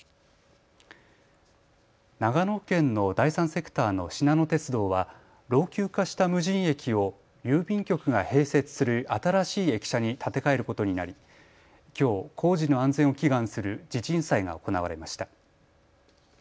長野県の第三セクターのしなの鉄道は老朽化した無人駅を郵便局が併設する新しい駅舎に建て替えることになりきょう工事の安全を祈願する地鎮祭が行われました。